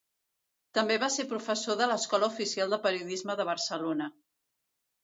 També va ser professor de l'Escola Oficial de Periodisme de Barcelona.